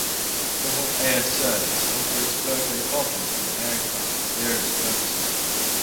Toho Air Service operates both helicopters and aircraft for various purposes.